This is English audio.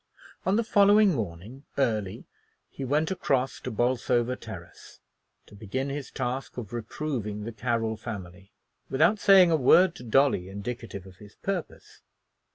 On the following morning, early, he went across to Bolsover Terrace, to begin his task of reproving the Carroll family, without saying a word to Dolly indicative of his purpose.